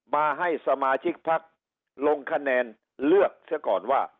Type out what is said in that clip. มาให้สมาชิกพักลงคะแนนเลือกเสียก่อนว่า